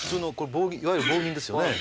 いわゆる棒銀ですよね。